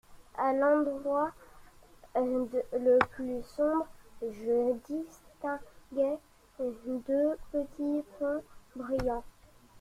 A l'endroit le plus sombre, je distinguai deux petits points brillants.